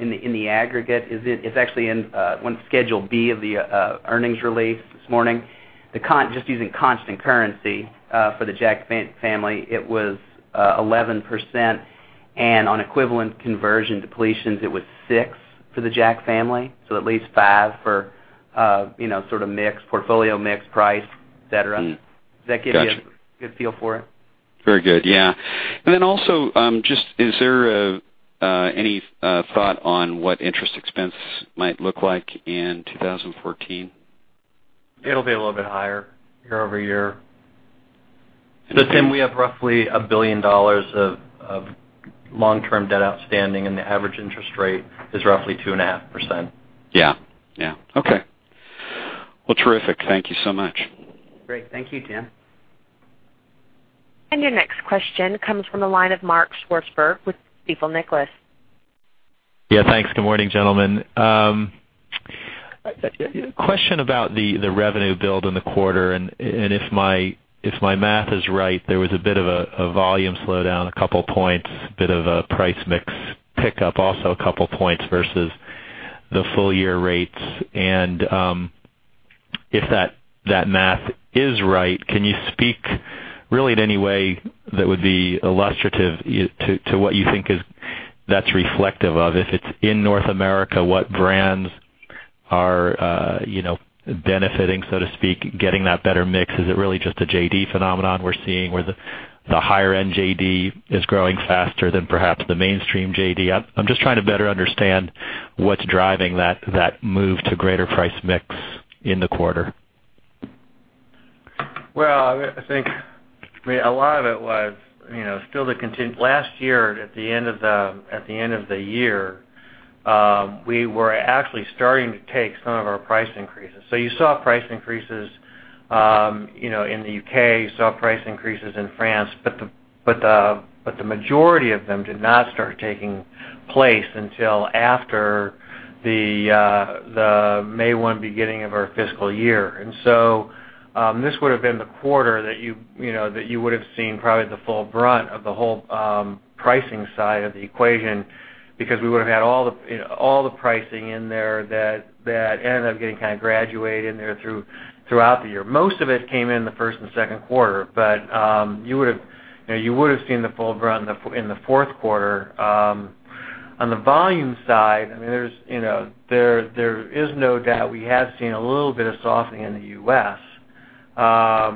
in the aggregate, is it's actually in one Schedule B of the earnings release this morning. Just using constant currency for the Jack family, it was 11%, and on equivalent conversion depletions, it was six for the Jack family, so at least five for sort of portfolio mix, price, et cetera. Got you. Does that give you a good feel for it? Very good. Yeah. Is there any thought on what interest expense might look like in 2014? It'll be a little bit higher year-over-year. Tim, we have roughly $1 billion of long-term debt outstanding, and the average interest rate is roughly 2.5%. Yeah. Okay. Well, terrific. Thank you so much. Great. Thank you, Tim. Your next question comes from the line of Mark Swartzberg with Stifel Nicolaus. Thanks. Good morning, gentlemen. A question about the revenue build in the quarter, and if my math is right, there was a bit of a volume slowdown, a couple of points, a bit of a price mix pickup, also a couple of points versus the full-year rates. If that math is right, can you speak really in any way that would be illustrative to what you think that's reflective of? If it's in North America, what brands are benefiting, so to speak, getting that better mix? Is it really just a JD phenomenon we're seeing where the higher-end JD is growing faster than perhaps the mainstream JD? I'm just trying to better understand what's driving that move to greater price mix in the quarter. Well, I think a lot of it was still the last year at the end of the year, we were actually starting to take some of our price increases. You saw price increases in the U.K., you saw price increases in France, but the majority of them did not start taking place until after the May 1 beginning of our fiscal year. This would've been the quarter that you would've seen probably the full brunt of the whole pricing side of the equation, because we would've had all the pricing in there that ended up getting kind of graduated in there throughout the year. Most of it came in the first and second quarter, but you would've seen the full brunt in the fourth quarter. On the volume side, there is no doubt we have seen a little bit of softening in the U.S.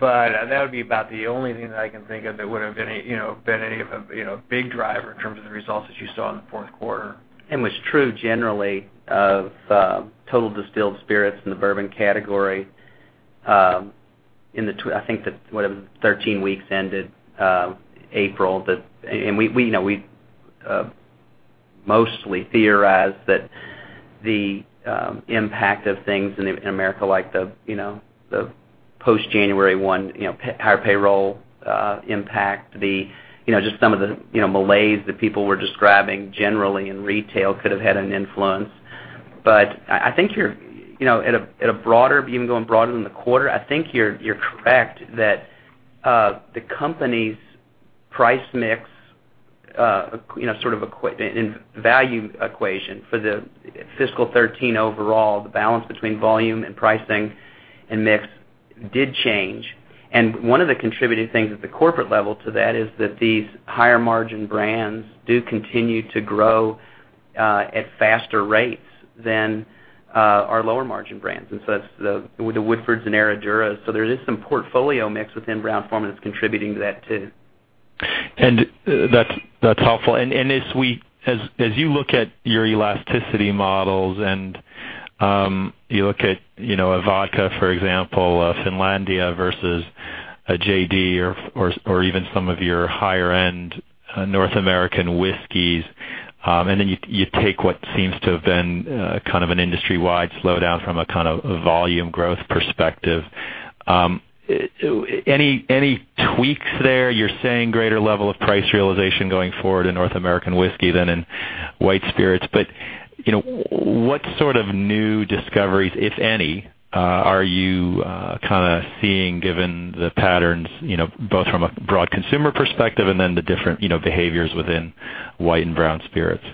That would be about the only thing that I can think of that would've been a big driver in terms of the results that you saw in the fourth quarter. What's true generally of total distilled spirits in the bourbon category, I think the, what is it, 13 weeks ended April. We mostly theorized that the impact of things in America, like the post January 1 higher payroll impact, just some of the malaise that people were describing generally in retail could have had an influence. I think at a broader, even going broader than the quarter, I think you're correct that the company's price mix and value equation for the fiscal 2013 overall, the balance between volume and pricing and mix did change. One of the contributing things at the corporate level to that is that these higher margin brands do continue to grow at faster rates than our lower margin brands. That's the Woodford and Herradura. There is some portfolio mix within Brown-Forman that's contributing to that too. That's helpful. As you look at your elasticity models and you look at a vodka, for example, a Finlandia versus a JD or even some of your higher-end North American whiskeys, then you take what seems to have been kind of an industry-wide slowdown from a volume growth perspective. Any tweaks there? You're saying greater level of price realization going forward in North American whiskey than in white spirits, but what sort of new discoveries, if any, are you kind of seeing given the patterns, both from a broad consumer perspective and then the different behaviors within white and brown spirits?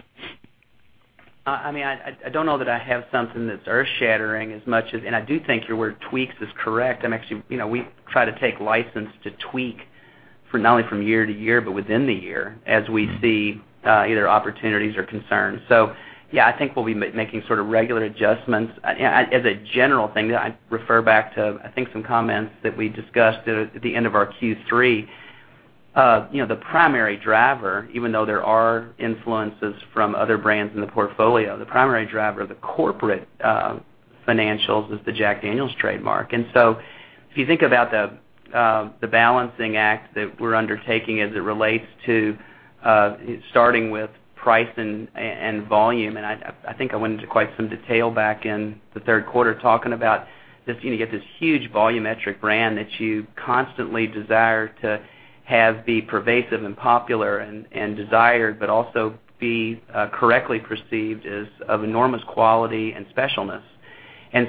I don't know that I have something that's earth shattering as much as, I do think your word tweaks is correct. We try to take license to tweak for not only from year to year, but within the year, as we see either opportunities or concerns. Yeah, I think we'll be making sort of regular adjustments. As a general thing, I refer back to, I think, some comments that we discussed at the end of our Q3. The primary driver, even though there are influences from other brands in the portfolio, the primary driver of the corporate financials is the Jack Daniel's trademark. If you think about the balancing act that we're undertaking as it relates to starting with price and volume, I think I went into quite some detail back in the third quarter talking about this. You get this huge volumetric brand that you constantly desire to have be pervasive and popular and desired, but also be correctly perceived as of enormous quality and specialness. As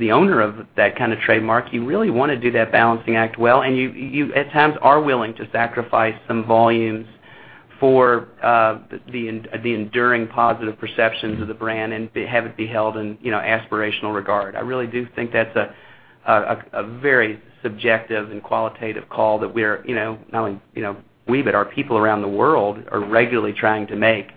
the owner of that kind of trademark, you really want to do that balancing act well, and you, at times, are willing to sacrifice some volumes for the enduring positive perceptions of the brand and have it be held in aspirational regard. I really do think that's a very subjective and qualitative call that we're, not only we, but our people around the world are regularly trying to make.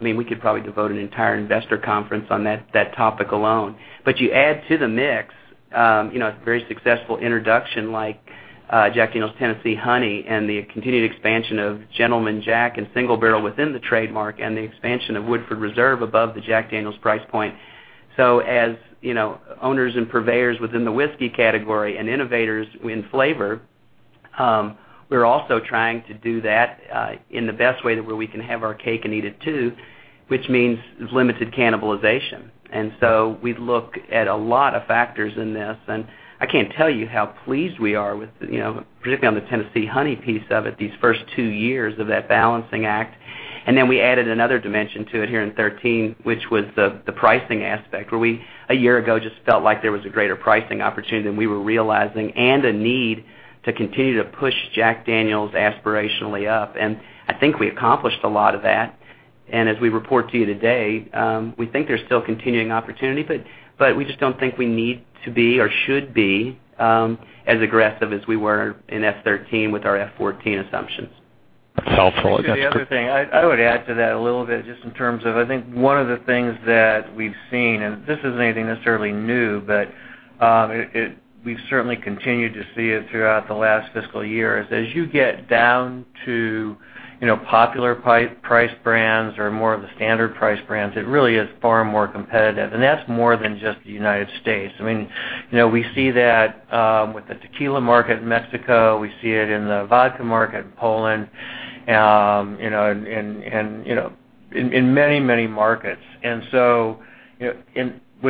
We could probably devote an entire investor conference on that topic alone. You add to the mix, a very successful introduction like Jack Daniel's Tennessee Honey, and the continued expansion of Gentleman Jack and Single Barrel within the trademark, and the expansion of Woodford Reserve above the Jack Daniel's price point. As owners and purveyors within the whiskey category and innovators in flavor, we're also trying to do that in the best way that where we can have our cake and eat it too, which means limited cannibalization. We look at a lot of factors in this, and I can't tell you how pleased we are with, particularly on the Tennessee Honey piece of it, these first two years of that balancing act. We added another dimension to it here in 2013, which was the pricing aspect, where we, a year ago, just felt like there was a greater pricing opportunity than we were realizing and a need to continue to push Jack Daniel's aspirationally up. I think we accomplished a lot of that. As we report to you today, we think there's still continuing opportunity, but we just don't think we need to be or should be as aggressive as we were in FY 2013 with our FY 2014 assumptions. Stifel Nicolaus. The other thing, I would add to that a little bit just in terms of, I think one of the things that we've seen, and this isn't anything necessarily new, but we've certainly continued to see it throughout the last fiscal year, is as you get down to popular price brands or more of the standard price brands, it really is far more competitive. That's more than just the U.S. We see that with the tequila market in Mexico, we see it in the vodka market in Poland, and in many, many markets. When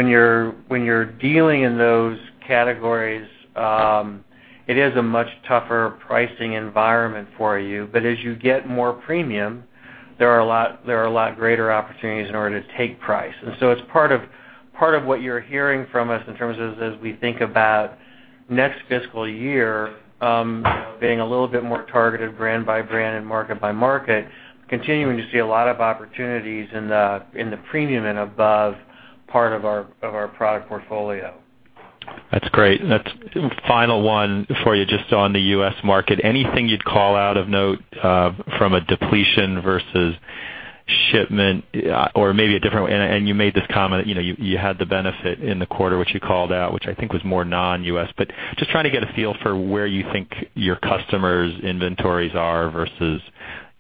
you're dealing in those categories, it is a much tougher pricing environment for you. As you get more premium, there are a lot greater opportunities in order to take price. It's part of what you're hearing from us in terms of, as we think about next fiscal year, being a little bit more targeted brand by brand and market by market, continuing to see a lot of opportunities in the premium and above part of our product portfolio. That's great. Final one for you, just on the U.S. market. Anything you'd call out of note, from a depletion versus shipment, or maybe a different way. You made this comment, you had the benefit in the quarter, which you called out, which I think was more non-U.S., but just trying to get a feel for where you think your customers' inventories are versus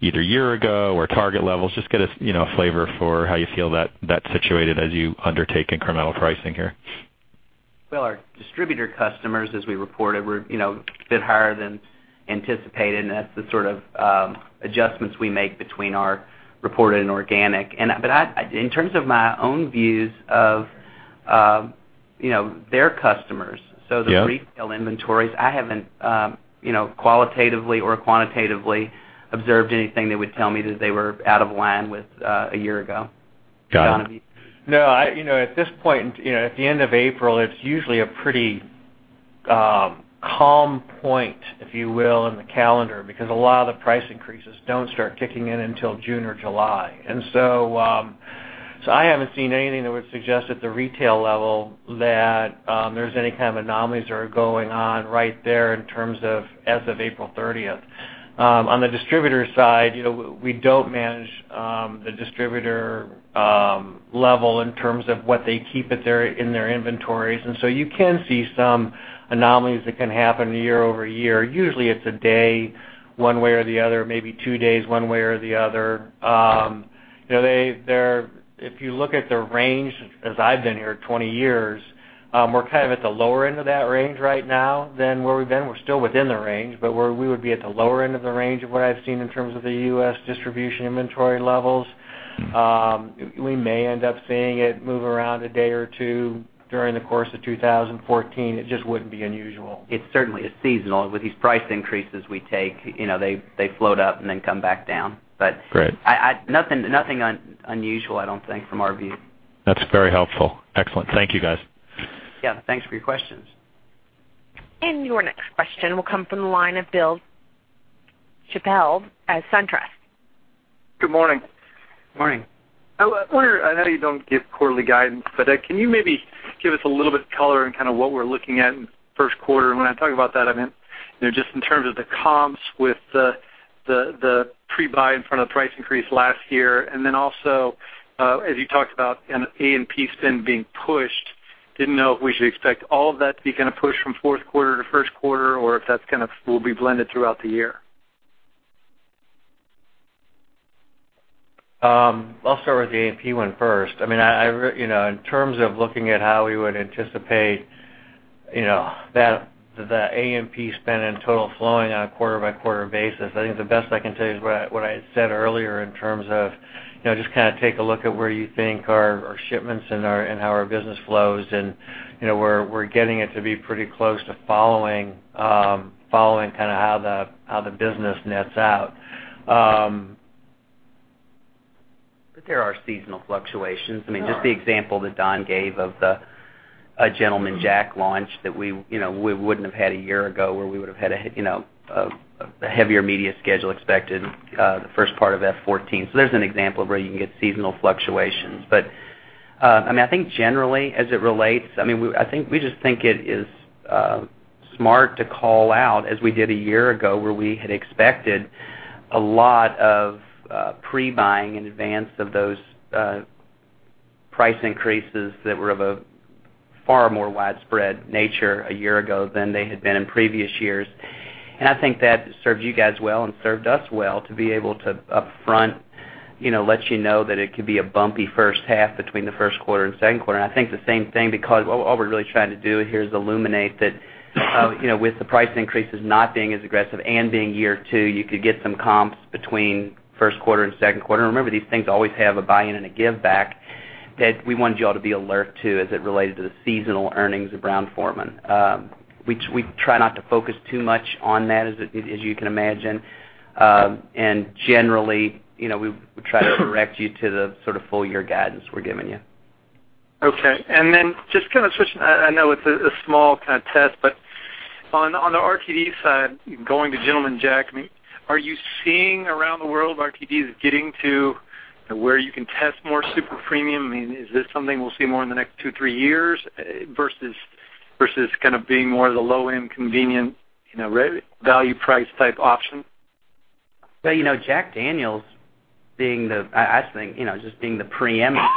either year ago or target levels. Just get a flavor for how you feel that's situated as you undertake incremental pricing here. Well, our distributor customers, as we reported, were a bit higher than anticipated, and that's the sort of adjustments we make between our reported and organic. In terms of my own views of their customers- Yeah The retail inventories, I haven't qualitatively or quantitatively observed anything that would tell me that they were out of line with a year ago. Got it. No, at this point, at the end of April, it's usually a pretty calm point, if you will, in the calendar, because a lot of the price increases don't start kicking in until June or July. I haven't seen anything that would suggest at the retail level that there's any kind of anomalies that are going on right there in terms of as of April 30th. On the distributor side, we don't manage the distributor level in terms of what they keep in their inventories, and so you can see some anomalies that can happen year-over-year. Usually, it's a day, one way or the other, maybe two days, one way or the other. If you look at the range, as I've been here 20 years, we're kind of at the lower end of that range right now than where we've been. We're still within the range, but we would be at the lower end of the range of what I've seen in terms of the U.S. distribution inventory levels. We may end up seeing it move around a day or two during the course of 2014. It just wouldn't be unusual. It certainly is seasonal. With these price increases we take, they float up and then come back down. Great. Nothing unusual, I don't think, from our view. That's very helpful. Excellent. Thank you, guys. Yeah. Thanks for your questions. Your next question will come from the line of William Chappell at SunTrust. Good morning. Morning. I wonder, I know you don't give quarterly guidance, but can you maybe give us a little bit of color on what we're looking at in first quarter? When I talk about that, I meant, just in terms of the comps with the pre-buy in front of the price increase last year, then also, as you talked about an A&P spend being pushed, didn't know if we should expect all of that to be pushed from fourth quarter to first quarter, or if that will be blended throughout the year. I'll start with the A&P one first. In terms of looking at how we would anticipate the A&P spend and total flowing on a quarter-by-quarter basis, I think the best I can tell you is what I said earlier, in terms of, just take a look at where you think our shipments and how our business flows, we're getting it to be pretty close to following how the business nets out. There are seasonal fluctuations. Just the example that Don gave of the Gentleman Jack launch that we wouldn't have had a year ago, where we would've had a heavier media schedule expected, the first part of FY 2014. There's an example of where you can get seasonal fluctuations. I think generally, as it relates, we just think it is smart to call out as we did a year ago, where we had expected a lot of pre-buying in advance of those price increases that were of a far more widespread nature a year ago than they had been in previous years. I think that served you guys well and served us well to be able to upfront let you know that it could be a bumpy first half between the first quarter and second quarter. I think the same thing because all we're really trying to do here is illuminate that, with the price increases not being as aggressive and being year 2, you could get some comps between first quarter and second quarter. Remember, these things always have a buy-in and a give back that we wanted you all to be alert to as it related to the seasonal earnings of Brown-Forman. We try not to focus too much on that, as you can imagine. Generally, we try to direct you to the sort of full year guidance we're giving you. Okay. Just kind of switching, I know it's a small kind of test, but on the RTD side, going to Gentleman Jack, are you seeing around the world RTDs getting to where you can test more super premium? Is this something we'll see more in the next 2, 3 years versus being more of the low-end, convenient, value price type option? Jack Daniel's, I think, just being the preeminent,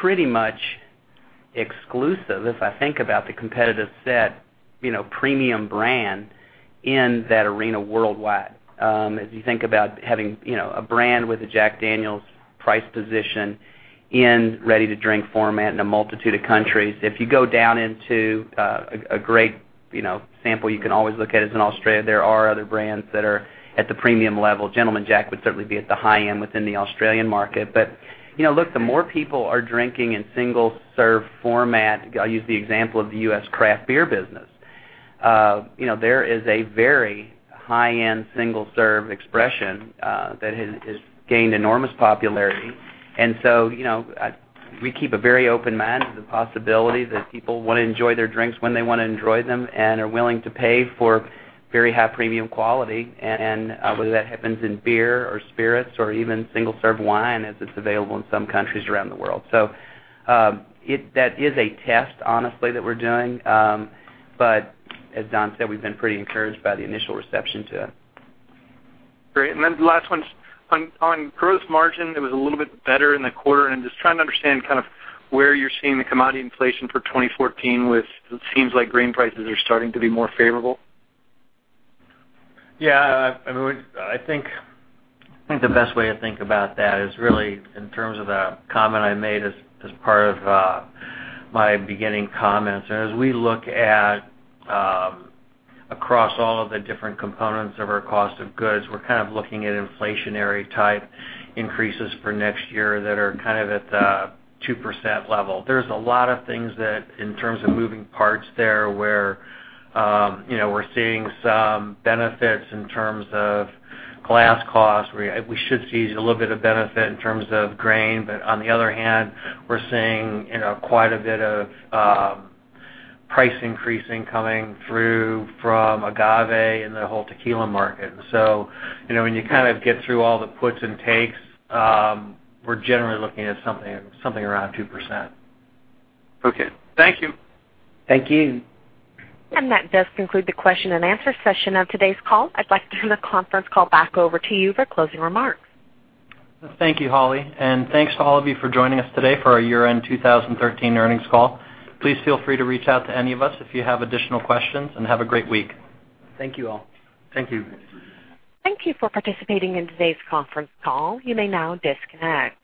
pretty much exclusive, if I think about the competitive set, premium brand in that arena worldwide. As you think about having a brand with a Jack Daniel's price position in ready-to-drink format in a multitude of countries. If you go down into a great sample you can always look at is in Australia, there are other brands that are at the premium level. Gentleman Jack would certainly be at the high-end within the Australian market. Look, the more people are drinking in single-serve format, I'll use the example of the U.S. craft beer business. There is a very high-end single-serve expression that has gained enormous popularity. We keep a very open mind to the possibility that people want to enjoy their drinks when they want to enjoy them and are willing to pay for very high premium quality, whether that happens in beer or spirits or even single-serve wine as it's available in some countries around the world. That is a test, honestly, that we're doing. As Don said, we've been pretty encouraged by the initial reception to it. Great. The last one. On gross margin, it was a little bit better in the quarter, I'm just trying to understand where you're seeing the commodity inflation for 2014, with it seems like grain prices are starting to be more favorable. Yeah. I think the best way to think about that is really in terms of a comment I made as part of my beginning comments. As we look at across all of the different components of our cost of goods, we're looking at inflationary type increases for next year that are at the 2% level. There's a lot of things that, in terms of moving parts there, where we're seeing some benefits in terms of glass costs, we should see a little bit of benefit in terms of grain, on the other hand, we're seeing quite a bit of price increasing coming through from agave and the whole tequila market. When you get through all the puts and takes, we're generally looking at something around 2%. Okay. Thank you. Thank you. That does conclude the question and answer session of today's call. I'd like to turn the conference call back over to you for closing remarks. Thank you, Holly, and thanks to all of you for joining us today for our year-end 2013 earnings call. Please feel free to reach out to any of us if you have additional questions, and have a great week. Thank you all. Thank you. Thank you for participating in today's conference call. You may now disconnect.